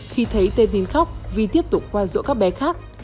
khi thấy t nín khóc vi tiếp tục qua dỗ các bé khác